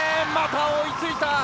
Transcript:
また追いついた！